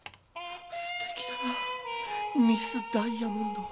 すてきだなミス・ダイヤモンド。